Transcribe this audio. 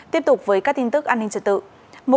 tiếp tục với các tin tức an ninh trật tự